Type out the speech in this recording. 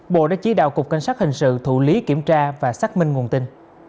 bộ đã chỉ đạo cục cảnh sát hình sự thụ lý kiểm tra và xác minh nguồn tin